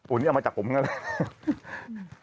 อุ๊ยนี่เอามาจากผมนึกออกไหม